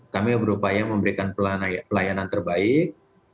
kami berupaya memberikan pelayanan terbaik